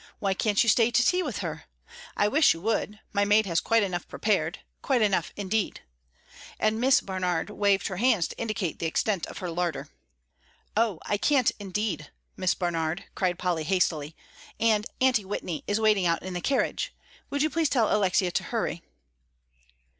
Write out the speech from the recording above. Why can't you stay to tea with her? I wish you would; my maid has quite enough prepared. Quite enough, indeed," and Miss Barnard waved her hands to indicate the extent of her larder. "Oh, I can't, indeed, Miss Barnard," cried Polly, hastily. "And Aunty Whitney is waiting out in the carriage. Would you please tell Alexia to hurry?"